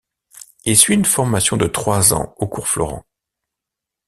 Il suit une formation de trois ans au Cours Florent.